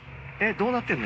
どうなってんの？